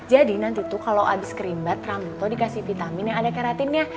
jadi nanti tuh kalo abis krim bat rambut lo dikasih vitamin yang ada keratinnya